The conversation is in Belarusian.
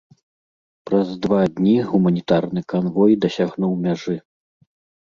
Праз два дні гуманітарны канвой дасягнуў мяжы.